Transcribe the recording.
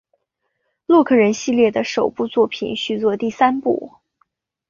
洛克人系列的首部作品续作第三部。